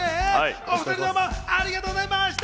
お２人、どうもありがとうございました！